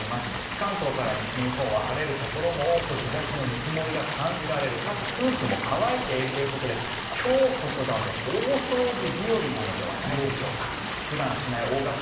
関東から西日本は晴れるところも多く日差しのぬくもりが感じられるかつ、空気も乾いているということで今日こそが大掃除日和なのではないでしょうか。